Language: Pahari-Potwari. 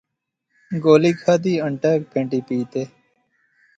گولی کھادی، انٹا ہیک پھینٹی پی تہ